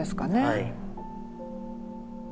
はい。